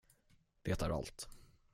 Det är allt.